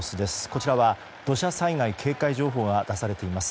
こちらは土砂災害警戒情報が出されています。